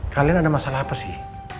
kalian ada masalah apa sih